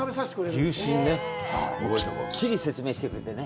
きっちり説明してくれてね。